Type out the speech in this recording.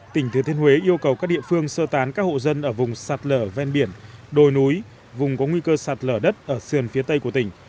tỉnh thừa thiên huế yêu cầu các địa phương sơ tán các hộ dân ở vùng sạt lở ven biển đồi núi vùng có nguy cơ sạt lở đất ở sườn phía tây của tỉnh